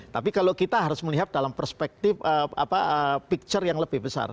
tapi kalau kita harus melihat dalam perspektif picture yang lebih besar